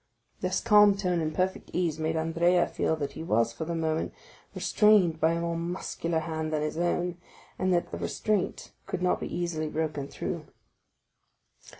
This calm tone and perfect ease made Andrea feel that he was, for the moment, restrained by a more muscular hand than his own, and that the restraint could not be easily broken through.